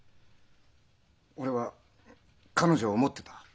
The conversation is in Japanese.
俺は彼女を思ってた。